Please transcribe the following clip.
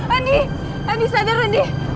andi andi sadar andi